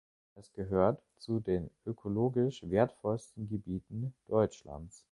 Es gehört zu den ökologisch wertvollsten Gebieten Deutschlands.